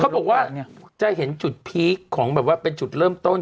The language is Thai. เขาบอกว่าจะเห็นจุดพีคของแบบว่าเป็นจุดเริ่มต้น